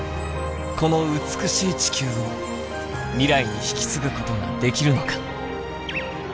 この美しい地球を未来に引き継ぐことができるのか。